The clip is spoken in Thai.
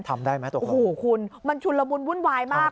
ทำได้ไหมตัวเขาคุณมันชุนละมุนวุ่นวายมาก